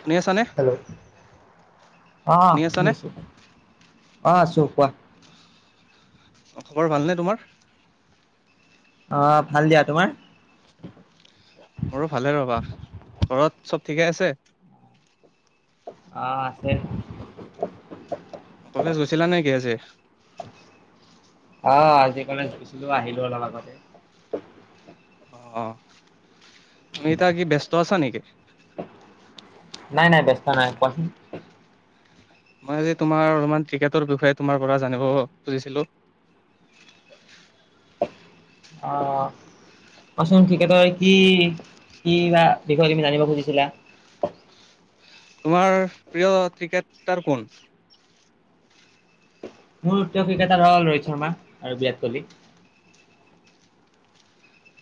শুনিআছানে। Hello অ' শুনিছো অ' আছো কোৱা। অ' খবৰ ভালনে তোমাৰ? আহ ভাল দিয়া, তোমাৰ? মোৰো ভালে ৰবা ঘৰত চ'ব ঠিকে আছে। অ' আছে কলেজ গৈছিলা নে কি আজি? আহ আজি কালি গুছিলো আহিলো অলপ আগতে। অ' তুমি এতিয়া কি ব্যস্ত আছা নেকি? নাই নাই ব্যস্ত নাই কোৱাচোন। মই আজি তোমাৰ অলপমান ক্ৰিকেটৰ বিষয়ে তোমাৰ পৰা জানিব খুজিছিলো। [unintelligible] অ' কচোন ক্ৰিকেটৰ কি কি বা বিষয়ে তুমি জানিব খুজিছিলা। তোমাৰ প্ৰিয় ক্ৰিকেটাৰ কোন। মোৰ উত্তৰ ক্ৰিকেটাৰ হ'ল ৰোহিত শৰ্মা আৰু বিৰাট কোহলি।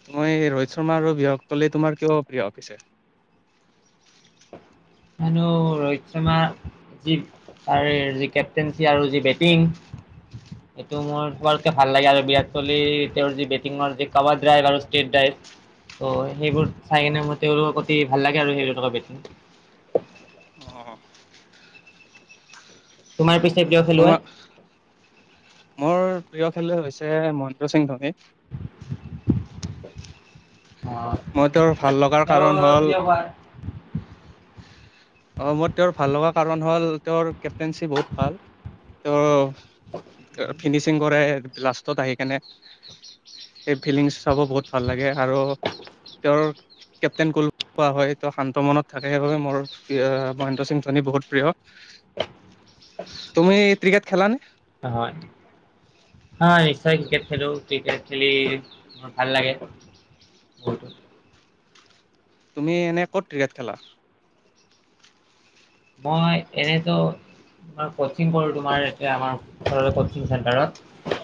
তোমই ৰোহিত শৰ্মা আৰু বিৰাট কোহলি তোমাৰ কিয় প্ৰিয় পিছে। হনো ৰোহিত শৰ্মাৰ যি তাৰ যি কেপটেনঞ্চি আৰু যি বেটিং এইটো মোৰ সবকে ভাল লাগে আৰু বিৰাট কোহলি তেওঁৰ যি বেটিঙৰ যি কভাৰ ড্ৰাইভ আৰু ষ্টেট ড্ৰাইভ ত' সেইবোৰ চাই কিনে মোৰ তেওঁলোকৰ অতি ভাল লাগে আৰু সেই দুটাকৈ বেটিং। অ' তোমাৰ পিছে প্ৰিয় খেলুৱৈ? তোমাৰ মোৰ প্ৰিয়। এইফালে হৈছে মহেন্দ্ৰ সিং ধোনী। অ', মই তোৰ ভাল লগাৰ কাৰণ তেওঁৰ হ'ল প্ৰিয় হোৱাৰ অ' মোৰ তেওঁৰ ভাল লগা কাৰণ হ'ল, তেওঁৰ কেপ্টেইনশ্বিপ বহুত ভাল, তেওঁ ফিনিচিং কৰে লাষ্টত আহি কেনে সেই ফিলিংছ চাব বহুত ভাল লাগে আৰু তেওঁৰ কেপ্টেইন কোল কোৱা হয় তেওঁ শান্ত মনত থাকে সেইবাবে মোৰ মহেন্দ্ৰ সিং ধোনী বহুত প্ৰিয়। তুমি ক্ৰিকেট খেলানে হয়, হয়। হয়, নিশ্চয় ক্ৰিকেট খেলো ক্ৰিকেট খেলি মোৰ ভাল লাগে। বলতো তুমি এনে ক'ত ক্ৰিকেট খেলা। মই এনেতো মই কচিং কৰো তোমাৰ এতিয়া আমাৰ ঘৰৰে কচিং চেণ্টাৰত।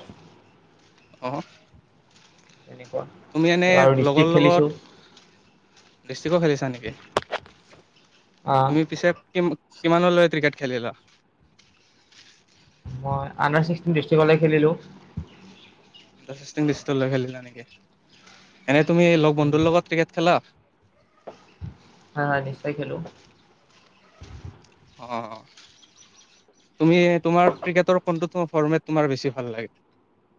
অ' তেনেকুৱা। তুমি এনে আৰু লগৰ ডিষ্ট্ৰিক্ট খেলিছো লগত ডৃষ্টিকৰ খেলিছা নেকি? অ', তুমি পিছে কি কিমান ললয় ক্ৰিকেট খেলিলা। মই আণ্ডাৰ ছিক্সটিন ডিষ্ট্ৰিকলে খেলিলো। আনডাৰ ছিকচটিন ডিষ্ট্ৰিক্ট লৈকে খেলিলা নেকি এনেই তুমি লগ বন্ধুৰ লগত ক্ৰিকেট খেলা। হা হ নিশ্চয় খেলো। অ' তুমি তোমাৰ ক্ৰিকেটৰ কোনটো ফৰ্মেট তোমাৰ বেছি ভাল লাগে।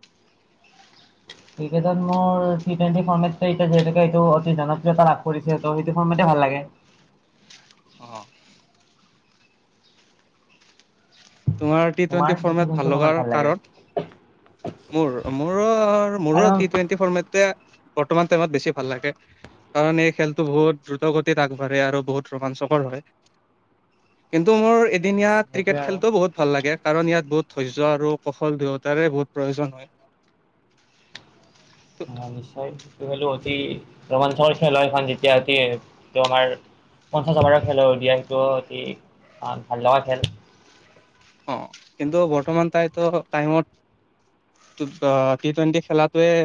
[unintelligible] ক্ৰিকেটত মোৰ টি টুৱেন্টি ফৰ্মিহেতুকে এইটো অতি জনপ্ৰিয়তা লাভ কৰিছে ত সেইটো ফৰ্মেটৈ ভাল লাগে। অ' তোমাৰ টি টুৱেণ্টি ফৰ্মেট ভাল লগাৰ কাৰণ। মোৰ মোৰো মোৰো কাৰণ টি টুৱেণ্টি ফৰ মেটে বৰ্তমান টাইমত বেছি ভাল লাগে। কাৰণ এই খেলটো বহুত দ্ৰুত গতিত আগবাঢ়ে আৰু বহুত ৰোমাঞ্চকৰ হয়। কিন্তু মোৰ এদিন অ ইয়াত ক্ৰিকেট সেইটোৱে আৰু খেল ভাল লাগে, কাৰণ ইয়াত বহুত ধৈৰ্য্য আৰু কৌশল দুয়োতাৰে বহুত প্ৰয়োজন হয়। [unintelligible] ন নিশ্বয় সেইটো অতি ৰোমাঞ্চৰ খেল হয় সেখন যেতিয়া ত আমাৰ পঞ্চাছ হাজাৰৰ টকা খেলৰ দিয়া সেইটো অতি ভাল লগা খেল অ' কিন্তু বৰ্তমান তাইতো টাইমত টি টুৱেণ্টি খেলাতোৱে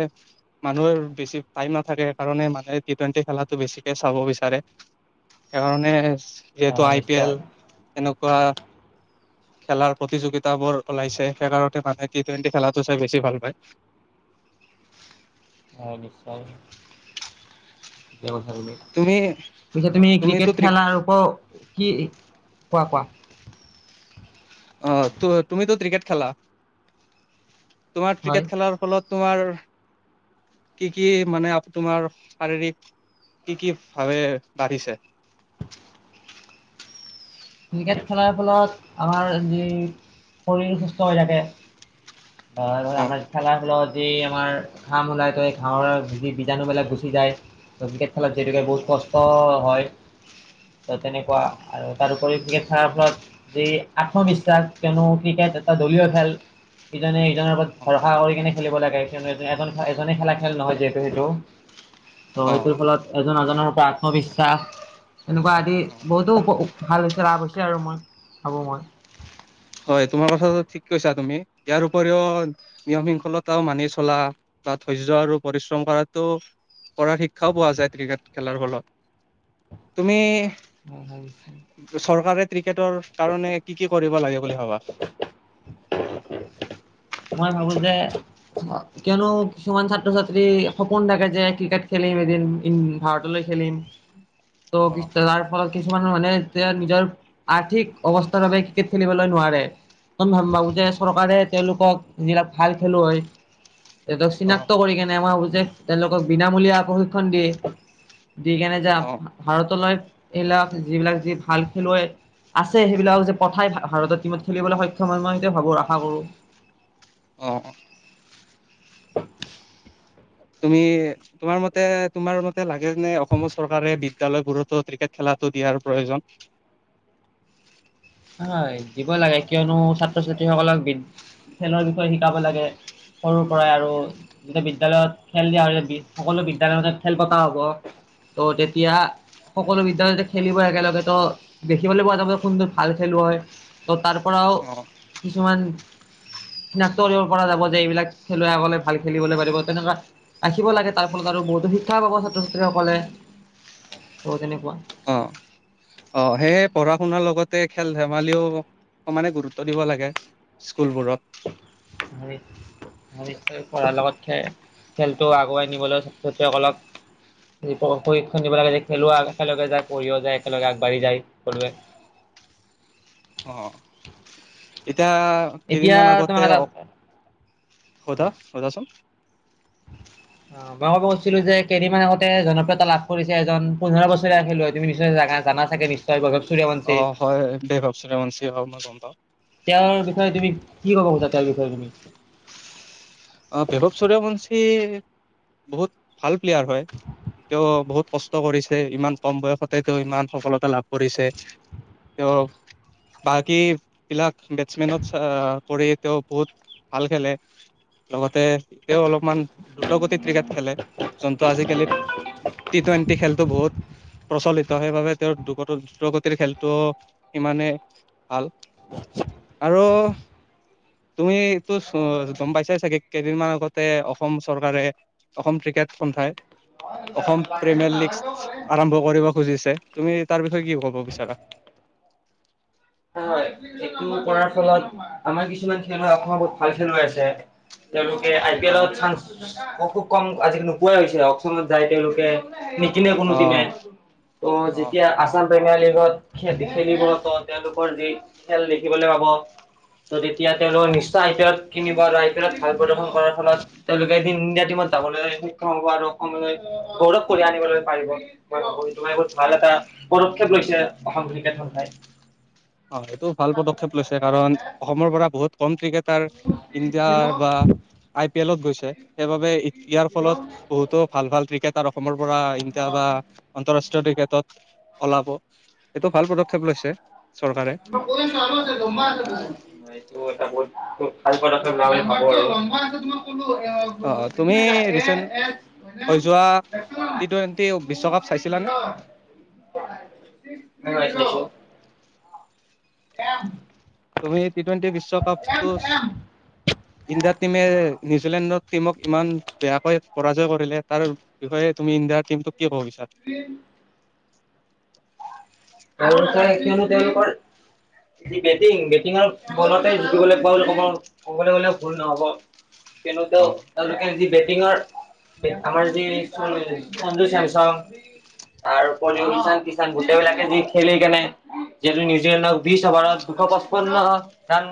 মানুহৰ বেছি টাইম নাথাকে সেইকাৰণে মানুহে টি টুৱেন্টি খেলাটো বেছিকে চাব বিচাৰে। সেইকাৰণে যিহেতু আই পি নিশ্চয় এল এনেকুৱা খেলাৰ প্ৰতিযোগিতাবোৰ ওলাইছে সেইকাৰণতে মানে টি টুৱেণ্টি খেলাটো চাই বেছি ভাল পায়। [unintelligible] অ' নিশ্বয়। তুমি পিছে তুমি তুমিতো ক্ৰিকেট ক্ৰিক খেলা ওপৰত কি কোৱা কোৱা অ'তু তুমিতো ক্ৰিকেট খেলা তোমাৰ হয় ক্ৰিকেট খেলাৰ ফলত তোমাৰ কি কি মানে তোমাৰ শাৰীৰিক কি কি ভাৱে বাঢ়িছে। ক্ৰিকেট খেলাৰ ফলত আমাৰ যি শৰীৰ সুস্থ হৈ থাকে। হয় অ আমাৰ খেলা ধূলাত এই আমাৰ ঘাম ওলাই যাই ঘামৰ যি বীজাণুবিলাক গুচি যায়। ত ক্ৰিকেট খেলত যিহেতুকে বহুত কষ্ট হয় ত তেনেকুৱা অ আৰু তাৰোওপৰি ক্ৰিকেট খেলাৰ ফলত যি আত্মবিশ্বাস কিয়নো ক্ৰিকেট এটা দলীয় খেল ইজনে ইজনৰ ওপৰত ভৰষা কৰি কিনে খেলিব লাগে কিয়নো এজন এজনে খেলা খেল নহয় যিহেতু সেইটো ত' অ অ সেইটোৰ ফলত এজন এজনৰ পৰা আত্মবিশ্বাস এনেকুৱা আদি বহুতো ভাল হৈছে, লাভ হৈছে, আৰু মই ভাবো মই। হয় তোমাৰ কথাটো ঠিক কৈছা তুমি ইয়াৰ উপৰিও নিয়ম শিংখলতাও মানি চলা বা ধৈৰ্য্য আৰু পৰিশ্ৰম কৰাত ত'কৰাৰ শিক্ষাও পোৱা যায়, ক্ৰিকেট খেলাৰ ফলত। তুমি মই ভাবচো। চৰকাৰে ক্ৰিকেটৰ কাৰণে কি কি কৰিব লাগে বুলি ভাবা? মই ভাবো যে কিয়নো কিছুমান ছাত্ৰ-ছাত্ৰী সপোন থাকে যে ক্ৰিকেট খেলি এদিন ইন ভাৰতলৈ খেলিম। ত' অ [unintelligible] তাৰ ফলত কিছুমান মানুহে যে নিজৰ আৰ্থিক অৱস্থাৰ বাবে ক্ৰিকেট খেলিবলৈ নোৱাৰে। মই ভা- ভাবো যে চৰকাৰে তেওঁলোকক যিবিলাক ভাল খেলুৱৈ, তেহঁতক অ চিনাক্ত কৰি কেনে মই ভাবো যে তেওঁলোকক বিনামূলীয়া প্ৰশিক্ষণ দিয়ে। দি কেনে যে অ ভাৰতলৈ এইবিলাক যিবিলাক যি ভাল খেলুৱৈ আছে সেইবিলাকক যে পঠাই ভাৰতৰ টীমত খেলিবলৈ সক্ষম হয়। মই সেইটোৱে ভাবো আশা কৰো। অ'। [inaudible] তুমি, তোমাৰ মতে, তোমাৰ মতে লাগে নে অসমৰ চৰকাৰে বিদ্যালয়বোৰতো ক্ৰিকেট খেলা টো দিয়াৰ প্ৰয়োজন। হয়, দিব লাগে কিয়নো, ছাত্ৰ-ছাত্ৰীসকলক বিদ খেলৰ বিষয়ে শিকাব লাগে। সৰুৰ পৰাই আৰু যে বিদ্যালয়ত খেল দিয়া হয়, সকলো বিদ্যালয়তে খেল পতা হ'ব। ত' তেতিয়া সকলো বিদ্যালয়তে খেলিব একেলগে ত' দেখিবলৈ পোৱা যাব কোনজন ভাল খেলুৱৈ ত' তাৰ পৰাও অ', কিছুমান [unintelligible] চিনাক্ত কৰিব পৰা যাব যে এইবিলাক খেলুৱৈ আগলে ভাল খেলিবলৈ পাৰিব, তেনেকুৱা ৰাখিব লাগে তাৰ ফলত আৰু বহুতো শিক্ষা পাব ছাত্ৰ-ছাত্ৰীসকলে। ত' তেনেকুৱা। অ'। অ'সেয়ে পঢ়া শুনাৰ লগতে খেল-ধেমালিও সমানে গুৰুত্ব দিব লাগে। স্কুলবোৰত। হয়, হয়, হয়। পঢ়াৰ লগত খেল খেলটো আগুৱাই নিবলৈ ছাত ছাত্ৰীসকলক প প্ৰশিক্ষণ দিব লাগে যে খেলুৱ একেলগে যায়, পঢ়িও যায় একেলগে আগবাঢ়ি যায়, সকলোৱে। অ'ইত তা এতিয়া কেইদিনমান আগতে তোমাক এটা অ'সোধা। সুধাচোন। অ' মই ক'ব কৈছিলো যে, কেদিনমান আগতে জনপ্ৰিয়তা লাভ কৰিছে এজন পোন্ধৰ বছৰীয়া খেলুৱৈ তুমি নিশ্চয় জা সেইকাৰণে জানা চাগে নিশ্চয় বৈভৱ সূৰ্য়বংশী, অ', হয় বৈভৱ সূৰ্যবংশী হয় মই গম পাওঁ। তেওঁৰ বিষয়ে তুমি কি ক'ব খোজা? [unintelligible] অ' বৈভৱ সূৰ্য়বংশী বহুত ভাল প্লেয়াৰ হয়। তেওঁ বহুত কষ্ট কৰিছে। ইমান কম বয়সতে তেওঁ ইমান সফলতা লাভ কৰিছে। তেওঁ বাকী বিলাক বেটছমেনত অ' কৰি তেওঁ বহুত ভাল খেলে। লগতে তেওঁ অলপমান দ্ৰুত গতিত ক্ৰিকেট খেলে জনতা আজি [unintelligible] টি টুৱেণ্টি খেলতটো বহুত প্ৰচলিত সেইবাবে তেওঁৰ দ্ৰুত গতিৰ খেলটো সিমানে ভাল আৰু তুমি ত' চ গ'ম পাইছে চাগে কেইদিনমান আগতে অসম চৰকাৰে, অসম ক্ৰিকেট সন্থাই অসম প্ৰিমিয়াৰ লীগচ আৰম্ভ কৰিব খুজিছে। তুমি তাৰ বিষয়ে কি ক'ব বিচাৰা? হয়, হয়। এইটো কৰাৰ ফলত আমাৰ কিছুমান খেলুৱৈ অসমৰ বহুত ভাল খেলুৱৈ আছে। তেওঁলোকে আই পি অ এলৰ চান্স খুব কম আজিকালি নোপোৱাই হৈছে অক্সনত যাই তেওঁলোকে। নিকিনে কোনো অ টিমে। ত' অ যেতিয়া আছাম প্ৰিমিয়াৰ লীগত খে খেলিব ত তেওঁলোকৰ যি খেল দেখিবলৈ পাব ত তেতিয়া তেওঁলোকৰ নিশ্চয় আই পি এল কিনিব আৰু আই পি এলত ভাল প্ৰদৰ্শন কৰাৰ ফলত তেওঁলোকে এদিন ইণ্ডিয়ান টিমত যাবলৈ সক্ষম হ'ব, আৰু অসমলৈ গৌৰৱ কৰি আনিবলৈ পাৰিব মই ভাবো তোমাৰ বহুত ভাল এটা। পদক্ষেপ লৈছে অসম ক্ৰিকেট সন্থাই। অ' এইেটোও ভাল পদক্ষেপ লৈছে, কাৰণ অসমৰ পৰা বহুত। কম ক্ৰিকেটাৰ ইণ্ডিয়া বা আই পি এলত গৈছে, সেইবাবে ইয়াৰ ফলত বহুতো ভাল ভাল ক্ৰিকেটাৰ অসমৰ পৰা ইণ্ডিয়া বা আন্তৰাষ্ট্ৰীয় বিশ্ব ক্ৰিকেটত ওলাব এইটো ভাল পদক্ষেপ লৈছে। চৰকাৰে [unintelligible] অ [unintelligible] তুমি ৰিচেণ্ট হৈ যোৱা টি টুৱেণ্টি [unintelligible] বিশ্বকাপ চাইছিলানে [unintelligible] এ তুমি টি টুৱেণ্টি বিশ্বকাপটো ইণ্ডিয়া টিমে নিউজিলেণ্ডৰ টিমক ইমান বেয়াকৈ পৰাজয় কৰিলে তাৰ বিষয়ে তুমি ইণ্ডিয়াৰ টিমটোক কি ক'ব বিচাৰ [unintelligible] যি বেটিং বেটিঙৰ বলতে জিকিবলৈ পোৱা বুলি ক'ব, ক'বলৈ গ'লে ভুল নহব। [inaudible] কেন ত [unintelligible] সিঙৰ আমাৰ যি চন্দু চেমচং তাৰ অ উপৰিও কিষণ কিষণ গোটেইবিলাকে যি খেলি কেনে যিহেতু নিজ ইংলেণ্ডক বিশ অভাৰত দুশ পাঁচপন্ন ৰাণ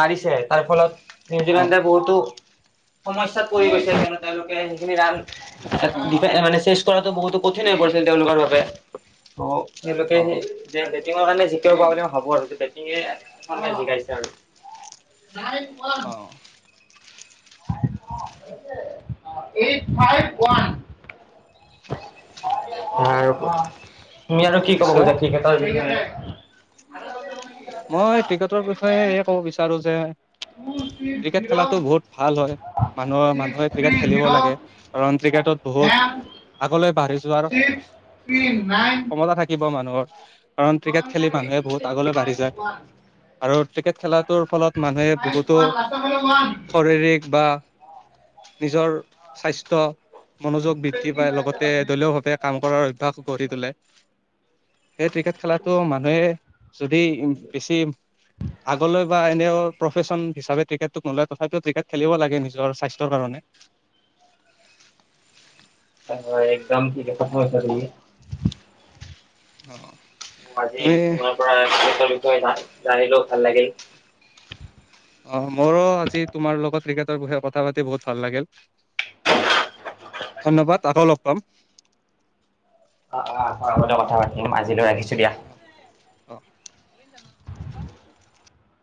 মাৰিছে, তাৰ ফলত নিউজিলেণ্ডে বহুতো সমস্যয়াটো পৰি গৈছে। কিন্তু তেওঁলোকে সেইখিনি ৰাণ অ মানে শেষ কৰাটো বহুতো কঠিন হৈ পৰিছিল। তেওঁলোকৰ বাবে সেইবাবে অ অ বেটিংৰ কাৰণে মই ভাবো আৰু বেটিং জিকাইছে আৰু নাইক মল অ এইঠ ফাইভ ওৱান বাৰু নিশ্চয় [unintelligible] মই ক্ৰিকেটৰ বিষয়ে এয়ে ক'ব বিচাৰো যে ক্ৰিকেট খেলাটো বহুত ভাল হয় মানুহৰ মানুহে ক্ৰিকেট খেলিব লাগে। কাৰণ ক্ৰিকেটত বহুত আগলৈ বাঢ়ি যোৱাৰ কমতা থাকিব ব মানুহৰ কাৰণ ক্ৰিকেট খেলি মানুহে বহুত আগলৈ বাঢ়ি যায় আৰু ক্ৰিকেট খেলাত তোৰ ফলত মানুহে বহুতো শাৰীৰিক বা নিজৰ স্বাস্থ্যৰ মনোযোগ বৃদ্ধি পায় লগতে দলীয় ভাৱে কাম কৰাৰ অভ্যাস গঢ়ি তোলে। সেই ক্ৰিকেট খেলাটো মানুহে যদি বেছি আগলৈ বা এনে প্ৰফেচন হিচাপে ক্ৰিকেট নৈ লয় তথাপিও ক্ৰিকেট খেলিব লাগে নিজৰ স্বাস্থ্যৰ কাৰণে। [unintelligible] একদম ঠিকে কথা কৈছা তুমি। অ। আজি তোমাৰ পৰা ক্ৰিকেট বিষয়ে জা জানিলো ভাল লাগিল। অ মোৰো আজি তোমাৰ লগত ক্ৰিকেটৰ বিষয়ে কথা পাতি বহুত ভাল লাগিল। ধন্যবাদ আকৌ লগ পাম। অ অ আগতে কথা পাতিম আজিলৈ ৰাখিছো দিয়া। অঁ।